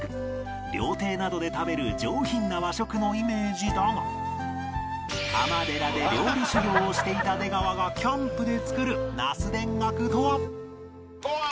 料亭などで食べる上品な和食のイメージだが尼寺で料理修業をしていた出川がキャンプで作るナス田楽とは？